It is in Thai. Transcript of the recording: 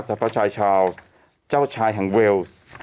จะภาดชายชาวเจ้าชายแห่งเวลต์